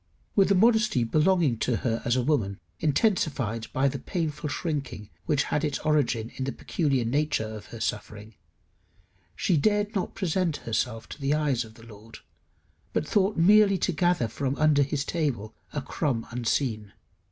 With the modesty belonging to her as a woman, intensified by the painful shrinking which had its origin in the peculiar nature of her suffering, she dared not present herself to the eyes of the Lord, but thought merely to gather from under his table a crumb unseen.